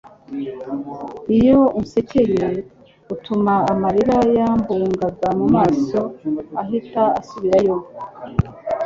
Iyo unsekeye utuma amarira yambugaga mu maso ahita asubirayo